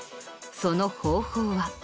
その方法は？